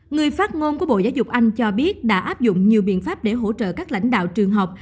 người phát ngôn của bộ giáo dục anh cho biết đã áp dụng nhiều biện pháp để hỗ trợ các lãnh đạo trường học